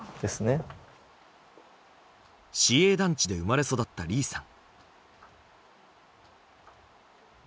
市営団地で生まれ育った李さん。